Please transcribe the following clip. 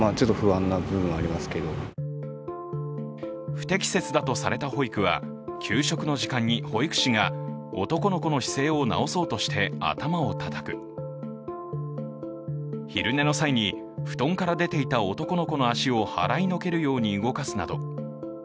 不適切だとされた保育は給食の時間に保育士が男の子の姿勢を直そうとして頭をたたく、昼寝の際に、布団から出ていた男の子の足を払いのけるように動かすなど。